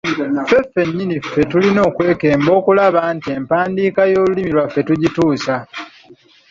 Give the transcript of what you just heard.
Ffe ffennyini ffe tulina okwekemba okulaba nti empandiika y’Olulimi lwaffe tugituusa.